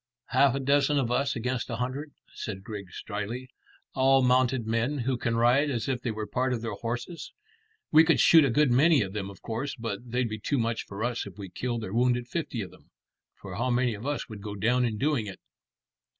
"Half a dozen of us against a hundred," said Griggs dryly; "all mounted men who can ride as if they were part of their horses. We could shoot a good many of them, of course, but they'd be too much for us if we killed or wounded fifty of them. For how many of us would go down in doing it?"